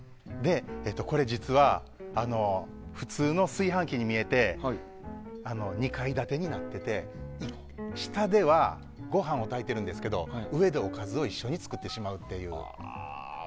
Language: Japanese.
これ実は、普通の炊飯器に見えて２階建てになっていて下ではご飯を炊いてるんですけど上でおかずを一緒に作ってしまうという。